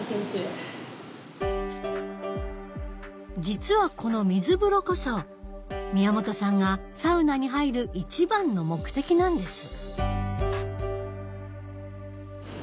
実はこの水風呂こそ宮本さんがサウナに入る一番の目的なんです。